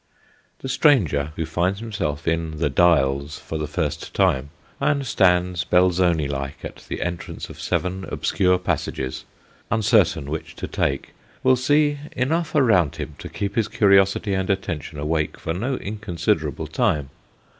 The stranger who finds himself in " The Dials " for the first time, and stands Belzoni like, at the entrance of seven obscure passages, uncertain which to take, will see enough around him to keep his curiosity and attention awake for no inconsiderable time.